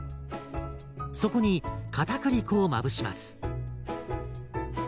そこにかたくり粉をまぶします。